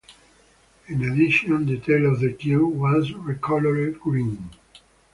In addition, the tail of the Q was recoloured green.